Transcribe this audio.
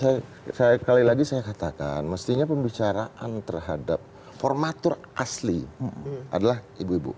ya saya kali lagi saya katakan mestinya pembicaraan terhadap formatur asli adalah ibu ibu